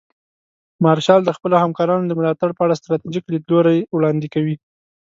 مارشال د خپلو همکارانو د ملاتړ په اړه ستراتیژیک لیدلوري وړاندې کوي.